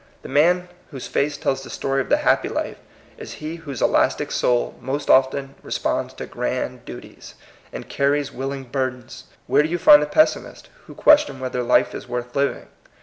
The man whose face tells the story of the happy life is he whose elastic soul most often responds to grand duties, and carries willing burdens. Where do you find the pessimists, who question whether life is worth living?